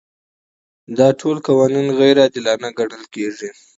دا ټول قوانین غیر عادلانه ګڼل کیږي.